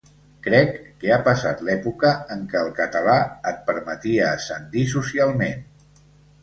Crec que ha passat l’època en què el català et permetia ascendir socialment.